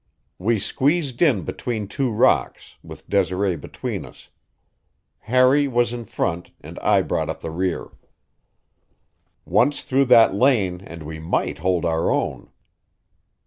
We squeezed in between two rocks, with Desiree between us. Harry was in front, and I brought up the rear. Once through that lane and we might hold our own.